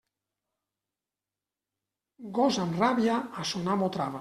Gos amb ràbia, a son amo trava.